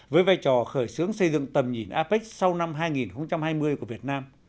với vai trò khởi xướng xây dựng tầm nhìn apec sau năm hai nghìn hai mươi của việt nam